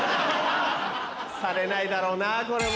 されないだろうなこれも。